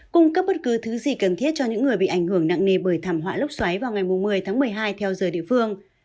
cung cấp bất cứ thứ gì cần thiết cho những người bị ảnh hưởng nặng nề bởi thảm họa lốc xoáy vào ngày một mươi tháng một mươi hai theo giờ địa phương